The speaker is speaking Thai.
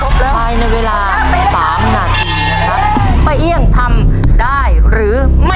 ภายในเวลาสามนาทีนะครับป้าเอี่ยงทำได้หรือไม่